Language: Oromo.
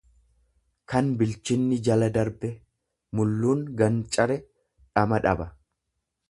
kan bilchinni jala darbe; Mulluun gancare dhama dhaba.